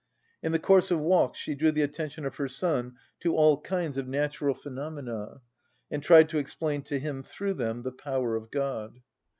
In the course of walks she drew the attention of her son to all kinds of natural phenomena, and tried to explain to him through them the power of God."